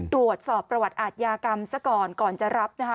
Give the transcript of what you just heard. ตรวจสอบประวัติอาทยากรรมซะก่อนก่อนจะรับนะคะ